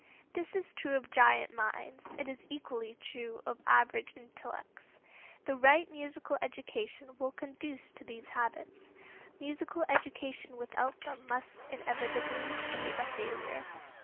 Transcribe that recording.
This is true of giant minds; it is equally true of average intellects. The right musical education will conduce to these habits. Musical education without them must inevitably be a failure.